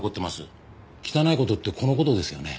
汚い事ってこの事ですよね？